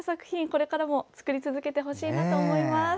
これからも作り続けてほしいなと思います。